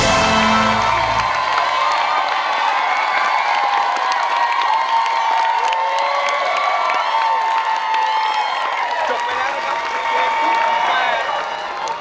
จบไปแล้วนะครับ